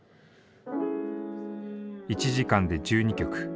１時間で１２曲。